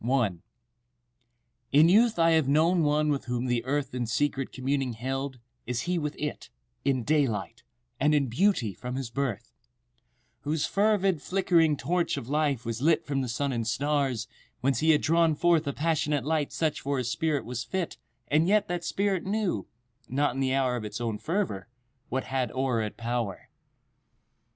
_ I IN youth I have known one with whom the Earth In secret communing held—as he with it, In daylight, and in beauty, from his birth: Whose fervid, flickering torch of life was lit From the sun and stars, whence he had drawn forth A passionate light such for his spirit was fit And yet that spirit knew—not in the hour Of its own fervor—what had o'er it power.